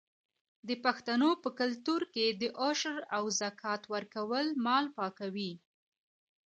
د پښتنو په کلتور کې د عشر او زکات ورکول مال پاکوي.